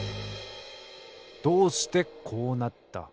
どうしてこうなった？